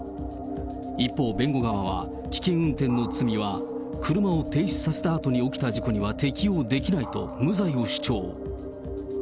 一方、弁護側は、危険運転の罪は車を停止させたあとに起きた事故には適用できないと無罪を主張。